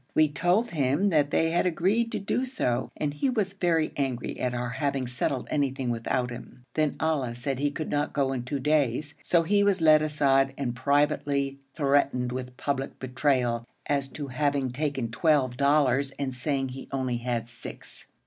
We told him that they had agreed to do so, and he was very angry at our having settled anything without him. Then Ali said he could not go in two days; so he was led aside and privily threatened with public betrayal as to having taken twelve dollars and saying he only had six.